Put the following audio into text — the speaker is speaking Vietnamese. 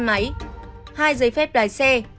hai giấy phép lái xe